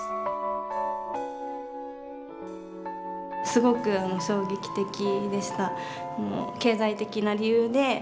すごく衝撃的でした。